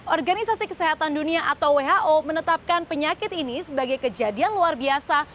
organisasi kesehatan dunia atau who menetapkan penyakit ini sebagai kejadian luar biasa